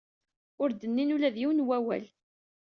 Ur d-nnin ula d yiwen n wawal.